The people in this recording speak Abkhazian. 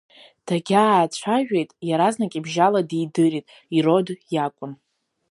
Дагьаацәажәеит, иаразнак ибжьала дидырит, Ирод иакәын.